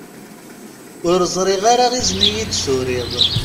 Ur ẓriɣ ara izen iyi-d-turiḍ.